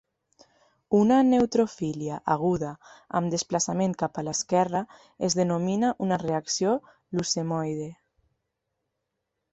Una neutrofília aguda amb desplaçament cap a l'esquerra es denomina una reacció leucemoide.